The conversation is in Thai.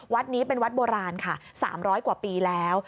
วัดนี้เป็นวัดโบราณค่ะ๓๐๐กว่าปีแล้ว